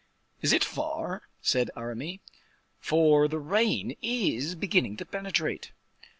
"Is it far?" asked Aramis, "for the rain is beginning to penetrate."